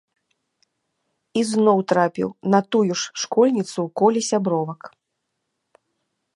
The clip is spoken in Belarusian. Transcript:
І зноў трапіў на тую ж школьніцу ў коле сябровак.